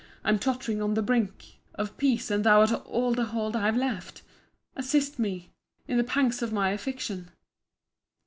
I'm tott'ring on the brink Of peace; an thou art all the hold I've left! Assist me——in the pangs of my affliction!